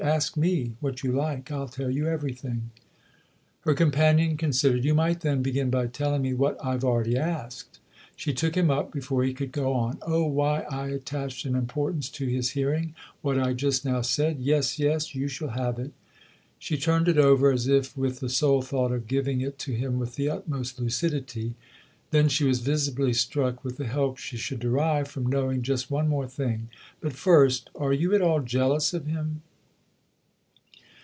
Ask me what you like. I'll tell you everything." Her companion considered. " You might then begin by telling me what I've already asked." She took him up before he could go on. " Oh, why I attached an importance to his hearing what I just now said ? Yes, yes ; you shall have it." She turned it over as if with the sole thought of giving it to him with the utmost lucidity; then she was visibly struck with the help she should derive from knowing just one thing more. " But first are you at all jealous of him